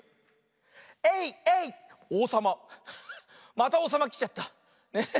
またおうさまきちゃった。